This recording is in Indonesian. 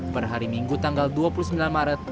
perhari minggu tanggal dua puluh sembilan maret